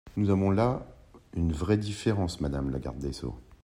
Nous avons là une vraie différence, madame la garde des sceaux.